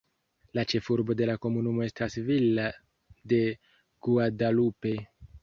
La ĉefurbo de la komunumo estas Villa de Guadalupe.